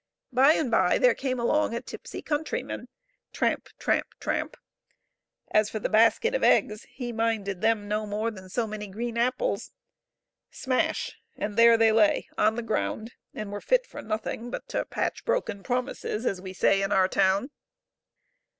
By and by there came along a tipsy countryman — tramp ! tramp ! tramp ! As for the basket of eggs, he minded them no more than so many green apples. Smash ! and there they lay on the ground, and were fit for nothing but to patch broken promises, as we say in our town.